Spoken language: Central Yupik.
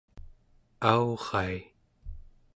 aurai